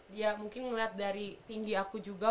dia mungkin melihat dari tinggi aku juga